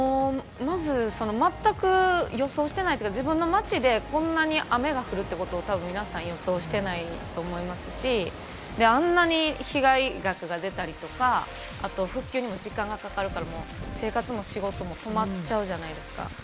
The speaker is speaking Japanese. まずまったく予想してないというか、自分の町でこんなに雨が降るってことをたぶん皆さん、予想してないと思いますし、で、あんなに被害が出たりとか、復旧にも時間がかかると生活も仕事も止まっちゃうじゃないですか。